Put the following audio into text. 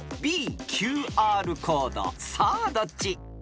［さあどっち？］